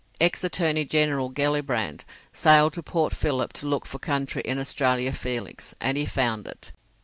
Ex Attorney General Gellibrand sailed to Port Philip to look for country in Australia Felix, and he found it.